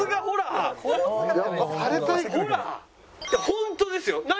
ホントですよ。